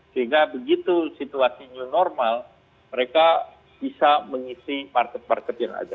sehingga begitu situasinya normal mereka bisa mengisi market market yang ada